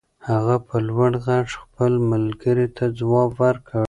هغه په لوړ غږ خپل ملګري ته ځواب ور کړ.